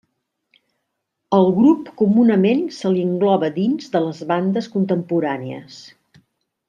Al grup comunament se li engloba dins de les bandes contemporànies.